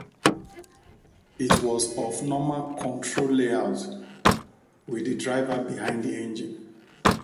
It was of normal control layout, with the driver behind the engine.